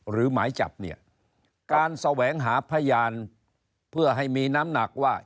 หมายจับเนี่ยการแสวงหาพยานเพื่อให้มีน้ำหนักว่า